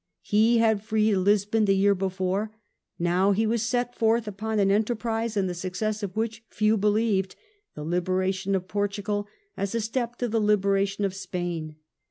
He had freed Lisbon the year before, now he was to set forth upon an enterprise in the success of which few believed — the liberation of Portugal, as a step to the liberation of Spain.